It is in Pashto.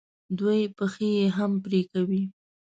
دوی پښې یې هم پرې کوي.